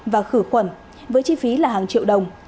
và khử khuẩn với chi phí là hàng triệu đồng